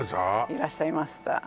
いらっしゃいました